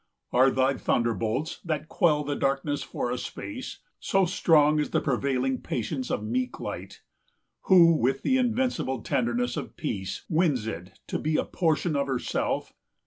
Are thy thunder bolts, That quell the darkness for a space, so strong As the prevailing patience of meek Light, Who, with the invincible tenderness of peace, Wins it to be a portion of herself?